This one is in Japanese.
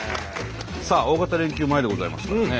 さあ大型連休前でございますからね。